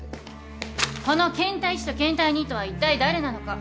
この検体１と検体２とはいったい誰なのか。